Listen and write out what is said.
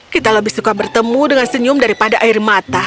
kita lebih suka bertemu dengan senyum daripada air mata